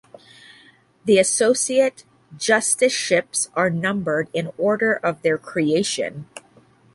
The Associate Justiceships are numbered in order of their creation.